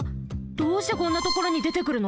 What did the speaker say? どうしてこんなところにでてくるの？